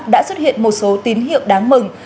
đã xuất hiện một số tín hiệu đáng mừng